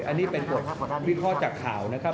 อันนี้เป็นบทวิเคราะห์จากข่าวนะครับ